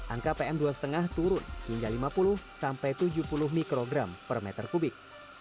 angka pm dua lima turun hingga lima puluh sampai tujuh puluh mikrogram per meter kubik